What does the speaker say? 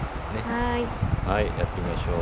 はいやってみましょう。